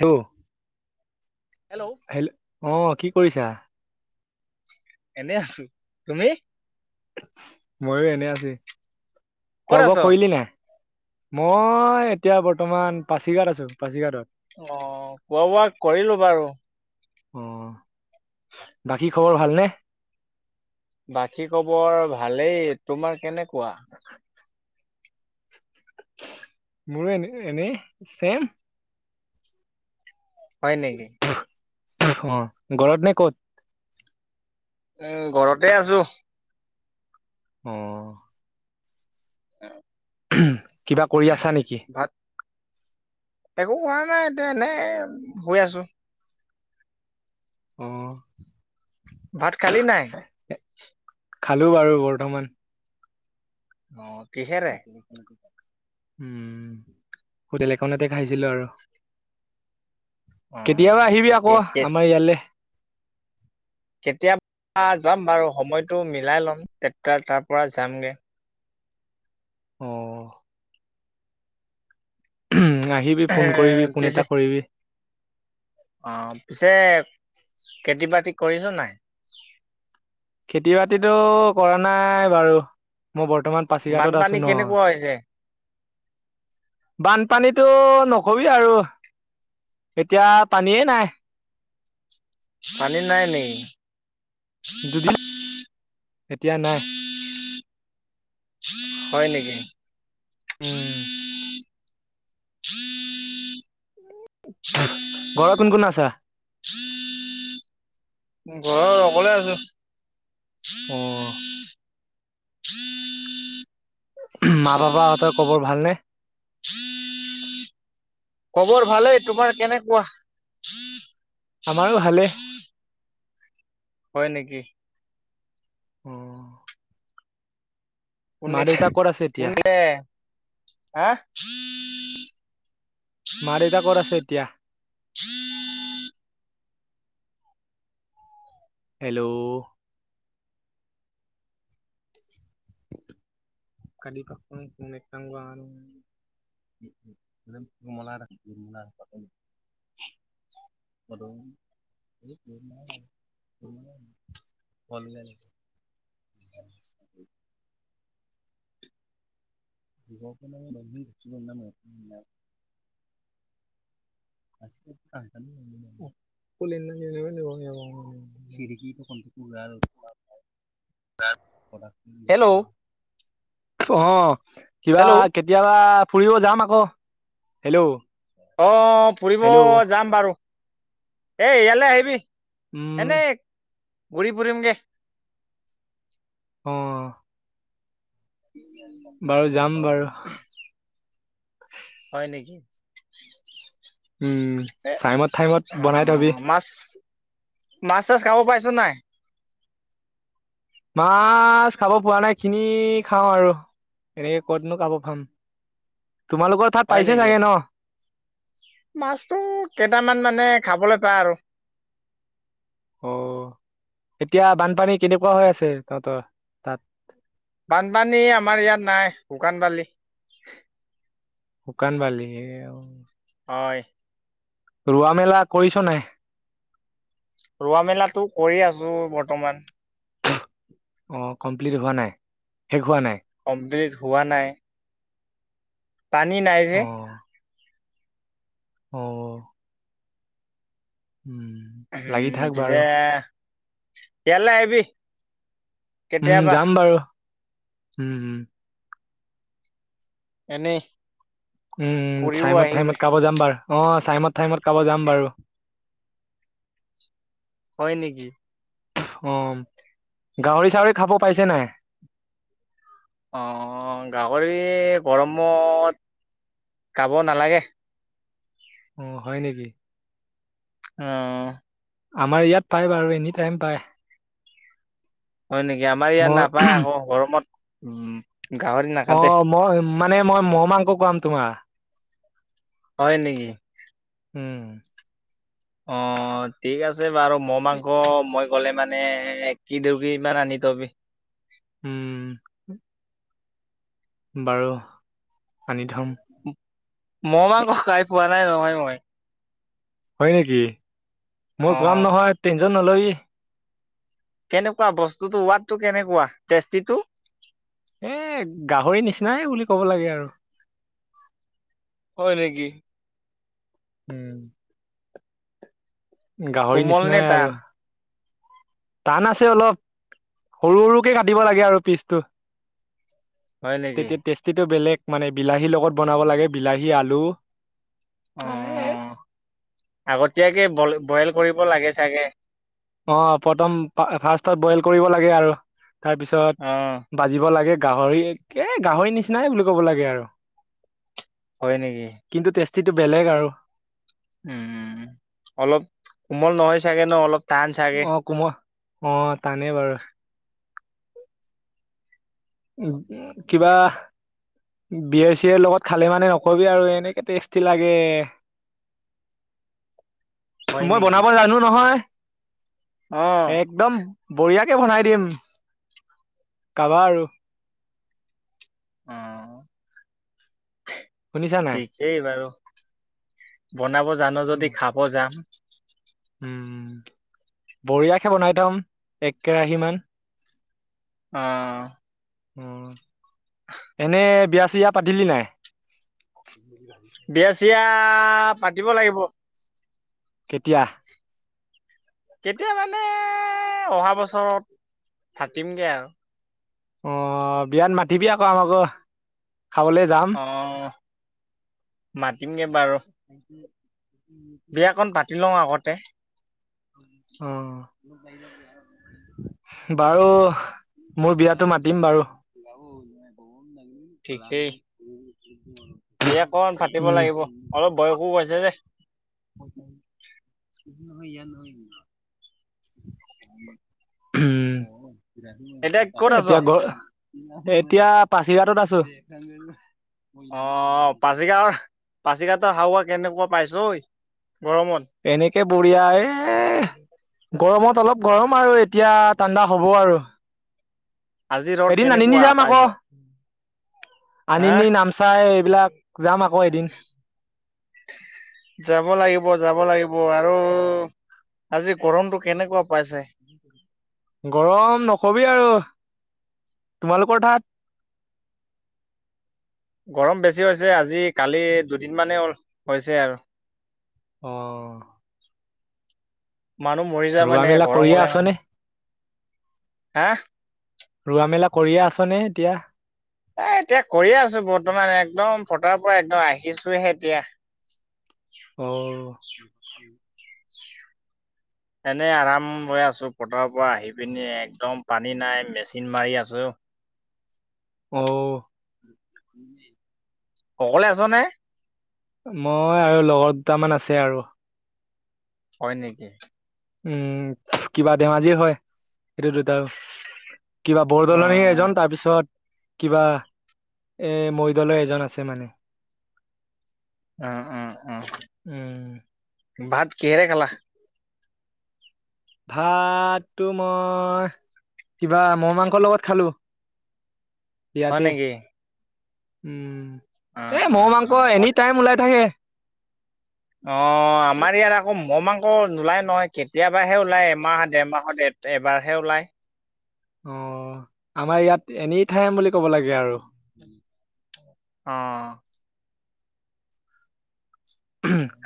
Hello hello হেল অ' কি কৰিছা? এনেই আছো। তুমি? ময়ো এনে আছি। ক'ত খোৱা আছ? বোৱা কৰিলি নাই? মই এতিয়া বৰ্তমান পাছিঘাট আছো পাছিঘাটত। অ', খোৱা বোৱা কৰিলো বাৰু। অ' বাকী খবৰ ভালনে? বাকী খবৰ ভালেই। তোমাৰ কেনেকুৱা? মোৰো এনে এনেই চেম। হয় নেকি? অ' ঘৰত নে ক'ত? উম, ঘৰতে আছো। অ'। অ [unintelligible] কিবা কৰি আছা নেকি? ভাত একো কৰা নাই, এতিয়া এনেই শুই আছো। অ'। ভাত খালি নাই? খালো বাৰু বৰ্তমান। অ'। কিহেৰে উম, হোটেল এখনতে খাইছিলো আৰু। অ কেতিয়াবা আহিবি আকৌ ঠিকেই কে- আমাৰ ইয়ালে। কেতিয়াবা যাম বাৰু, সময়টো মিলাই ল'ম তেতিয়া তাৰ পৰা যামগে। অ'। আহি পিছে অ' পিছে খেতি বাতি কৰিছ' নাই? খেতি বাতিটো কৰা নাই বাৰু। মই বৰ্তমান পাছিঘাটত বানপানী আছো ন'। কেনেকুৱা হৈছে বানপানীতো নকবি আৰু। এতিয়া পানীয়েই নাই। পানী নাই নি? দুদিন, এতিয়া নাই। হয় নেকি? উম। ঘৰত কোন কোন আছা? ঘৰত অকলে আছো। অ'। মা বাবাহঁতৰ কবৰ ভালনে? খবৰ ভালেই। তোমাৰ কেনেকুৱা? আমাৰো ভালে। হয় নেকি? অ'। মা কোনে, দেউতা ক'ত আছে এতিয়া কোনে হে? মাৰ দেউতা ক'ত আছে এতিয়া? [inaudible] হেল্ল'। কালি পাক একদাম গৈ আৰু [unintelligible] হেল্ল'। [unintelligible] [inaudible] [unintelligible] আজিক কাল [unintelligible] কলে নে চিৰিক আৰু উলাল দাত অ' কিবা হেল্ল' খেত কেতিয়াবা ফুৰিব যাম আকৌ, হেল্ল'। অ' ফুৰিব হেল্ল' যাম বাৰু। এই ইয়ালে আহিবি। উম এনেই ঘূৰি ফুৰিমগে। অ' বাৰু যাম বাৰু। হয় নেকি? উম। এ, চাইমত ঠাইমত বনাই থবি মাছ, মাছ চাছ খাব পাইছ নাই? মাছ খাব পোৱা নাই, কিনি খাওঁ আৰু। এনেকে কতনো খাব পাম। তোমালোকৰ তাত পাইছে চাগে ন'? মাছটো কেইটামান মানে খাবলৈ পাই আৰু। অ' এতিয়া বানপানী কেনেকুৱা হৈ আছে তহঁতৰ? তাত বানপানী আমাৰ ইয়াত নাই, শুকান বালি। শুকান বালি, এই আৰু। হয়। ৰোৱা মেলা কৰিছ নাই? ৰোৱা মেলাতো কৰি আছো বৰ্তমান। অ' কমপ্লিট হোৱা নাই, শেষ হোৱা নাই। কমপ্লিট হোৱা নাই। পানী নাই যে। অ অ'। উম। লাগি উম থাক পিছে বাৰু ইয়ালে আহিবি উম কেতিয়াবা যাম বাৰু, উম। এনেই। উম ফুৰিব চাইমত আহিবি ঠাইমত কাব যাম বাৰ অ' চাইমত ঠাইমত কাব যাম বাৰু। হয় নেকি? অ' গাহৰি চাহৰি খাব পাইছে নাই? অ' গাহৰি গৰমত খাব নালাগে। অ' হয় নেকি? অ'। আমাৰ ইয়াত পায় বাৰু এনি টাইম পায়। হয় নেকি আমাৰ ইয়াত মই নাপায় আকৌ ঘৰমত উম গাহৰি নাকাটে অ' মই মানে মই মহ মাংস খোৱাম তোমাক হয় নেকি? উম। অ' ঠিক আছে বাৰু মহ ই- মাংস মই গ'লে মানে মানে কি [unintelligible] কি ইমান আনি তবি। উম। বাৰু আনি থম। মহ মাংস খাই পোৱা নাই নহয় মই। হয় নেকি মই অ খোৱাম নহয় টেনচন নলবি। কেনেকুৱা বস্তুটো সোৱাদটো কেনেকুৱা টেষ্টিটো? এ গাহৰি নিচিনাই বুলি ক'ব লাগে আৰু। হয় নেকি? উম। গাহৰি কোমল নিচিনাই নে আৰু। টান টান আছে অলপ সৰু সৰুকে কাটিব লাগে আৰু পিচটো। হয় নেকি তেতিয়া টেষ্টিটো বেলেগ মানে বিলাহীৰ লগত বনাব লাগে, বিলাহী আলু। এ অ' আগতীয়াকে বই বইল কৰিব লাগে চাগে। অ' প্ৰথম ফাৰ্ষ্টত বইল কৰিব লাগে আৰু তাৰ অ', পিছত বাজিব লাগে গাহৰি একে গাহৰি নিচিনাই বুলি ক'ব লাগে আৰু। হয় নেকি? কিন্তু টেষ্টিটো বেলেগ আৰু। উম অলপ কোমল নহয় চাগে ন, অলপ টান চাগে। [unintelligible] অ' টানেই বাৰু। [inaudible] উ কিবা? বিএৰ চিএৰ লগত খালে মানে নকবি আৰু এনেকে টেষ্টি লাগে। হয় মই নেকি? বনাব জানো নহয়। অ'। একদম বঢ়িয়াকে বনাই দিম, খাবা আৰু। [unintelligible] শুনিছা নাই? [unintelligible] বাৰু বনাব জানো যদি খাব যাম। উম বৰিয়া কে বনাই থম এক কেৰাহি মান। অ'। উম, এনে বিয়া চিয়া পাতিলি নাই? বিয়া চিয়া পাতিব লাগিব। কেতিয়া? কেতিয়া মানে অহা বছৰত ফাটিমগে আৰু। অ', বিয়াত মাতিবি আকৌ আমাকো, খাবলৈ যাম। অ', মাতিমগে বাৰু। [inaudible] বিয়াকণ পাতি লওঁ আগতে। অ', বাৰু মোৰ বিয়াতটো মাতিম বাৰু। [inaudible] বিয়াকন ফাটিব উম লাগিব অলপ বয়সো হৈছে যে। [inaudible] উম, এতিয়া ক'ত আছ? এতিয়া গ এতিয়া পাছিঘাটত আছোঁ। অ', পাছিগা পাছিঘাটৰ হাৱা কেনেকুৱা পাইছ ঐ গৰমত? এনেকে বঢ়িয়া এ গৰমত অলপ গৰম আৰু এতিয়া ঠাণ্ডা হ'ব আৰু। আজি ৰদ এদিন নানিনি কেনেকুৱা যাম আকৌ পাইছ'? হা আনিনি, নামচাই এইবিলাক যাম আকৌ এদিন। যাব লাগিব, যাব লাগিব আৰু আজি গৰমটো কেনেকুৱা পাইছে? গৰম নকবি আৰু তোমালোকৰ ঠাত? গৰম বেছি হৈছে আজি কালি দুদিন মানে হল হৈছে আৰু। অ', মানুহ মৰি যাব ৰোৱা এনেকে মেলা গৰম কৰিয়ে হলে আছনে মানে। হাঁ? ৰুৱা মেলা কৰিয়ে আছনে এতিয়া? এ এতিয়া কৰি আছো বৰ্তমান একদম ফটাৰ পৰা একদম আহিছোহে এতিয়া। অ', [inaudible] [inaudible] এনেই আৰাম লৈ আছোঁ পথাৰৰ পৰা আহি পিনি একদম পানী নাই মেচিন মাৰি আছোঁ। অ', [inaudible] অকলে আছ নে? মই আৰু লগৰ দুটামান আছে আৰু। হয় নেকি? উম, কিবা ধেমাজিৰ হয় এইটো দুটাও। কিবা অ' বৰদলনি এজন তাৰপিছত কিবা এ মৰিদলে এজন আছে মানে। অ', অ', অ', উম ভাত কিহেৰে খালা? ভাততো মই কিবা মৌ মাংসৰ লগত খালোঁ। [inaudible] হয় ইয়াতে নেকি? উম, উম, এ মৌ উম, মাংস উম, এনি অ', টাইম ওলাই থাকে। অ', আমাৰ ইয়াত আকৌ ম মাংস নোলাই নহয় কেতিয়াবাহে ওলাই এমাহ দেৰমাহৰ এবাৰহে ওলায়। অ', আমাৰ ইয়াত এনি ঠাইম বুলি ক'ব লাগে আৰু। অ',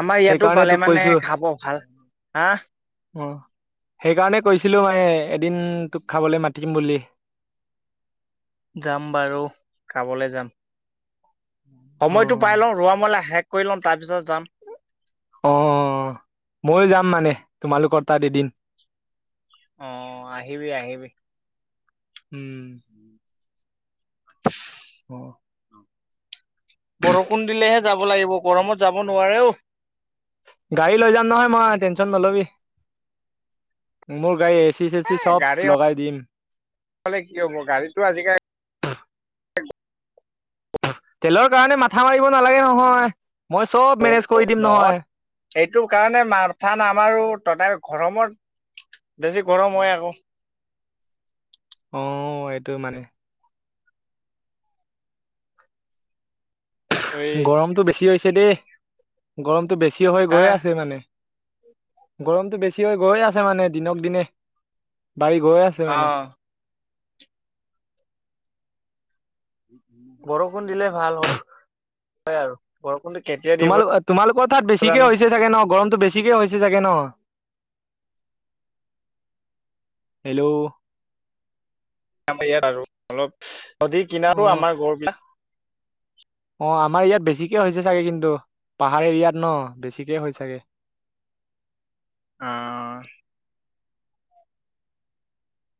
আমাৰ ইয়াতো সেইকাৰণে পালে তোক মানে কৈছো খাব ভাল, হাঁ? অ', সেইকাৰণে কৈছিলোঁ মানে এদিন তোক খাবলৈ মাতিম বুলি। যাম বাৰু কামলৈ যাম। অ সময়টো পাই লওঁ ৰোৱা মেলা শেষ কৰি ল'ম তাৰপিছত যাম। অ', ময়ো যাম মানে তোমালোকৰ তাত এদিন। অ', আহিবি আহিবি। উম। অ'। বৰষুণ দিলেহে যাব লাগিব গৰমত যাব নোৱাৰেও। গাড়ী লৈ যাম নহয় মই টেনচন নলবি মোৰ গাড়ী এচি চেচি এ চব গাড়ী লগাই দিম। কি হ'ব গাড়ীতো আজিকালি তেলৰ কাৰণে মাথা মাৰিব নালাগে নহয় মই চব মেনেজ কৰি দিম নহয়। এইটো কাৰণে মাথা নামাৰো তথাপি গৰমত বেছি গৰম হয় আকৌ। অ', এইটো মানে। এই গৰমটো বেছি হৈছে দেই। গৰমটো বেছি হৈ হা গৈ আছে মানে। গৰমটো বেছি হৈ গৈ আছে মানে দিনক দিনে বাঢ়ি গৈ আছে। মানে অ'। বৰষুণ দিলে ভাল হয়। হয় আৰু। বৰষুণটো কেতিয়া তোমালোক তোমালোকৰ তাত বেছিকে জানো হৈছে ছাগে ন গৰমটো বেছি বেছিকে হৈছে চাগে ন? হেল্ল' আমাৰ ইয়াত আৰু অলপ নদীৰ অ কিনাৰো আমাৰ ঘৰবিলাক। অ', আমাৰ ইয়াত বেছিকে হৈছে চাগে কিন্তু। পাহাৰ এৰিয়াত ন বেছিকে হয় ছাগে। অ'।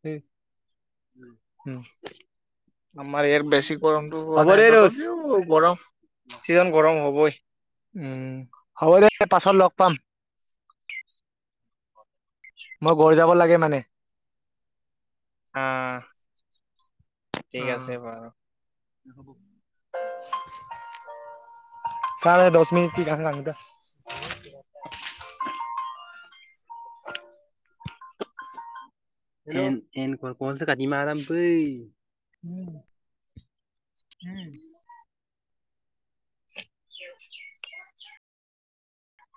উম, উম। আমাৰ ইয়াত বেছি গৰমটো হ'ব হোৱা নাই। দে ৰোজ, তথাপিও গৰম, চিজন গৰম হ'বই। উম, হ'ব দে পাছত লগ পাম। মই ঘৰ যাব লাগে মানে। অ'। আছে অ'। বাৰু চা দহ মিনিট কি [unintelligible] [inaudible] হেল্ল'। উম। [inaudible]